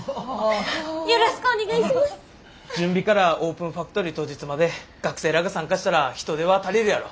準備からオープンファクトリー当日まで学生らが参加したら人手は足りるやろ。